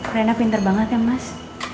rena pinter banget ya mas